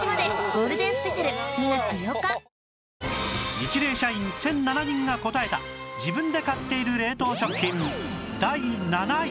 ニチレイ社員１００７人が答えた自分で買っている冷凍食品